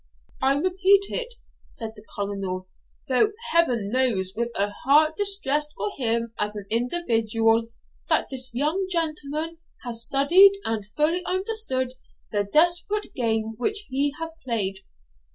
'I repeat it,' said the Colonel,'though Heaven knows with a heart distressed for him as an individual, that this young gentleman has studied and fully understood the desperate game which he has played.